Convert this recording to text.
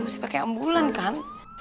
mesti pakai ambulan kan